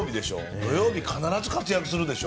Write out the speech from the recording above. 土曜日必ず活躍するでしょ。